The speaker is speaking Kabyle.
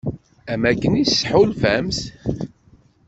Amek i s-tḥulfamt?